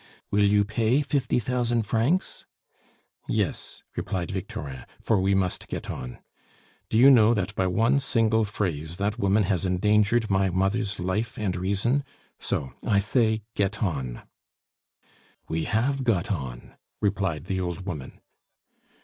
"Will you pay fifty thousand francs?" "Yes," replied Victorin, "for we must get on. Do you know that by one single phrase that woman has endangered my mother's life and reason? So, I say, get on." "We have got on!" replied the old woman.